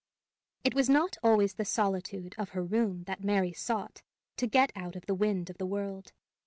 It was not always the solitude of her room that Mary sought to get out of the wind of the world.